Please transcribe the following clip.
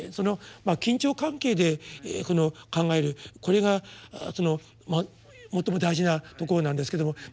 緊張関係で考えるこれが最も大事なところなんですけども。